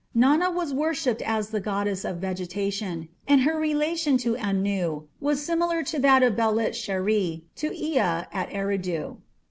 Nana was worshipped as the goddess of vegetation, and her relation to Anu was similar to that of Belit sheri to Ea at Eridu.